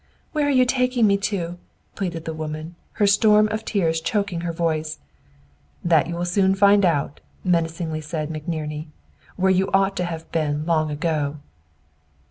"Where are you taking me to?" pleaded the woman, her storm of tears choking her voice. "That you will soon find out," menacingly said McNerney. "Where you ought to have been long ago!"